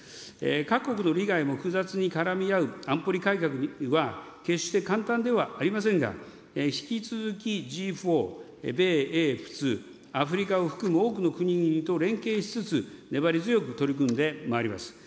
各国の利害も複雑に絡み合う安保理改革は、決して簡単ではありませんが、引き続き、Ｇ４、米英仏、アフリカを含む多くの国と連携しつつ、粘り強く取り組んでまいります。